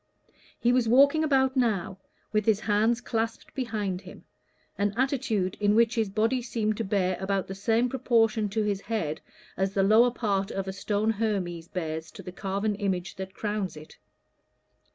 He was walking about now, with his hands clasped behind him, an attitude in which his body seemed to bear about the same proportion to his head as the lower part of a stone Hermes bears to the carven image that crowns it.